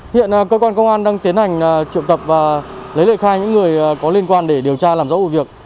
hiện cơ quan công an đang tiến hành triệu tập và lấy lời khai những người có liên quan để điều tra làm rõ vụ việc